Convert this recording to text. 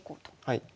はい。